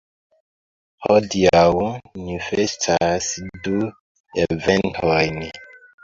Hodiaŭ ni festas du eventojn.